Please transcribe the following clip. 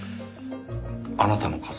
あなたの傘